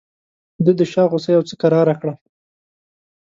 ده د شاه غوسه یو څه کراره کړه.